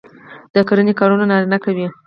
د کرنې کارونه نارینه کوي.